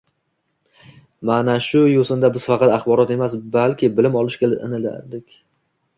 Mana shu yo`sinda biz faqat axborot emas, balki bilim olishga intilardik